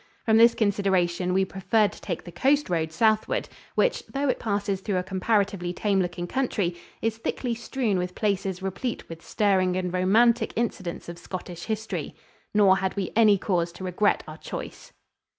From this consideration, we preferred to take the coast road southward, which, though it passes through a comparatively tame looking country, is thickly strewn with places replete with stirring and romantic incidents of Scottish history. Nor had we any cause to regret our choice.